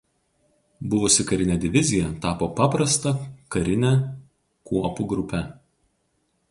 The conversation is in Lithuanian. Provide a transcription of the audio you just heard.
Buvusi karinė divizija tapo paprasta karine kuopų grupe.